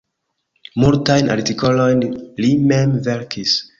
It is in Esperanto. Multajn artikolojn li mem verkis.